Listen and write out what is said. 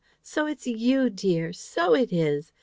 So it's YOU, dear; so it is!